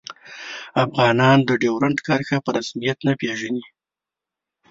افغانان د ډیورنډ کرښه په رسمیت نه پيژني